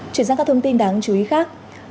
chuyển sang các thông tin đáng chú ý khác